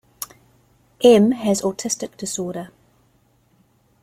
M has autistic disorder.